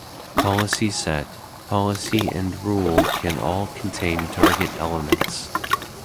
Policy set, policy and rule can all contain target elements.